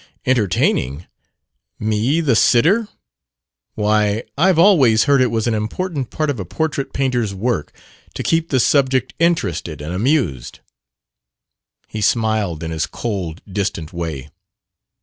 "Entertaining? Me, the sitter? Why, I've always heard it was an important part of a portrait painter's work to keep the subject interested and amused." He smiled in his cold, distant way.